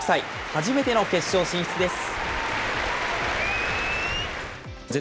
初めての決勝進出です。